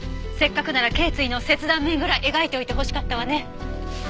せっかくなら頸椎の切断面ぐらい描いておいてほしかったわね。